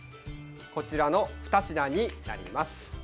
こちらの２品になります。